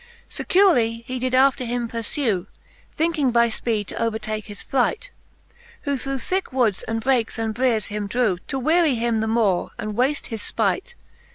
XVII. • Securely he did after him purfew. Thinking by fpeed to overtake his flight ; Who through thicke woods and brakes and briers him drew, To weary him the more, and v/afte his fpight.